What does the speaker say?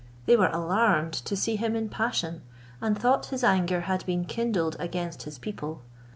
They were alarmed to see him in passion, and thought his anger had been kindled against his people.